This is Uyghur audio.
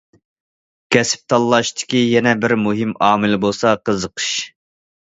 كەسىپ تاللاشتىكى يەنە بىر مۇھىم ئامىل بولسا قىزىقىش.